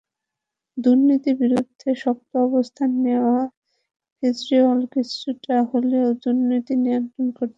দুর্নীতি বিরুদ্ধে শক্ত অবস্থান নেওয়া কেজরিওয়াল কিছুটা হলেও দুর্নীতি নিয়ন্ত্রণ করতে পেরেছেন।